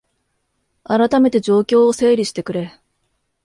あらためて状況を整理してくれ